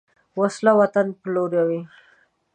وسله وطن پلوروي